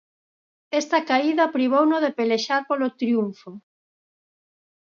Esta caída privouno de pelexar polo triunfo.